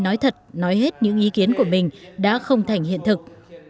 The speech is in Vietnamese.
nói thật nói hết những ý kiến của mình đã không thành hiện thực